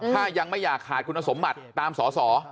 ถ้ายังไม่อยากขาดคุณสมบัติตามสอสอ